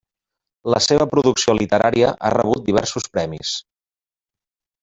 La seva producció literària ha rebut diversos premis.